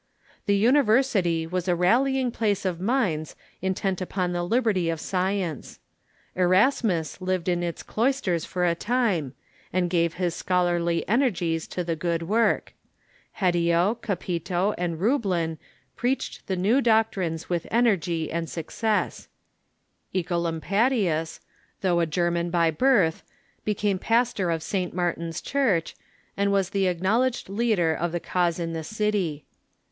The university was a rallying place of minds intent upon the liberty of science. Erasmus lived in its cloisters for a time, and gave his scholarly ener gies to the good work. Pledio, Capito, and Roublin preached the new doctrines with energy and success. OEcolampadius, though a German by birth, became pastor of St. Martin's Church, and was the acknowledged leader of the cause in the city.